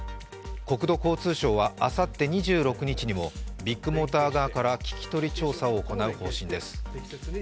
国土交通省はあさって２６日にもビッグモーター側から聞き取り調査を行う方針です。